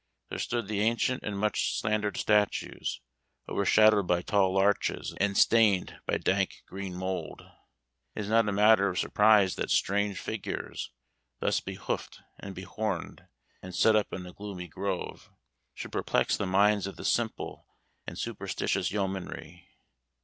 There stood the ancient and much slandered statues, overshadowed by tall larches, and stained by dank green mold. It is not a matter of surprise that strange figures, thus behoofed and be horned, and set up in a gloomy grove, should perplex the minds of the simple and superstitious yeomanry.